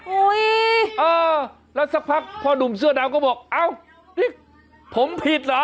อุ๊ยอ้าวแล้วสักพักพ่อหนุ่มเสื้อดำก็บอกเอานี่ผมผิดเหรอ